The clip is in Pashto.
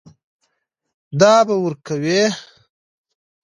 دا به ورکوې.